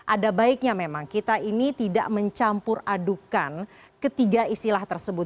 ada baiknya memang kita ini tidak mencampur adukan ketiga istilah tersebut